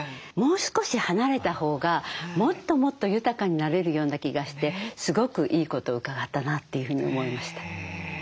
もう少し離れたほうがもっともっと豊かになれるような気がしてすごくいいことを伺ったなというふうに思いました。